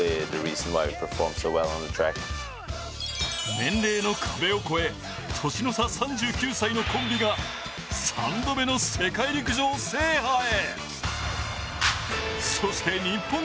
年齢の壁を越え、年の差３９歳のコンビが３度目の世界陸上制覇へ。